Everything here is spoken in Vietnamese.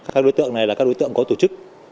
các đối tượng này là các đối tượng có tổ chức